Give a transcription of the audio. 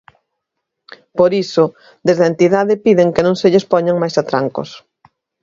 Por iso, desde a entidade piden que non se lles poñan máis atrancos.